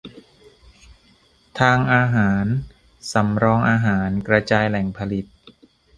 ทางอาหาร : สำรองอาหาร กระจายแหล่งผลิต